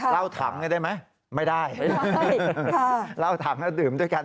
เล่าถังไงได้ไหมไม่ได้ไม่ได้ค่ะเล่าถังแล้วดื่มด้วยกัน